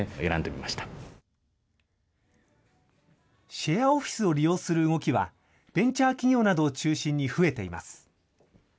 シェアオフィスを利用する動きは、ベンチャー企業などを中心に増えています。